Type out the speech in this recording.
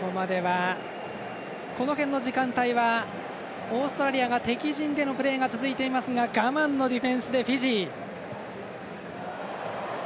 この辺の時間帯はオーストラリアが敵陣でのプレーが続いていますが我慢のディフェンスでフィジー。